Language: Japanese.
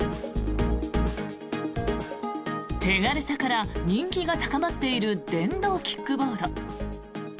手軽さから人気が高まっている電動キックボード。